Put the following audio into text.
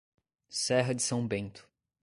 Serra de São Bento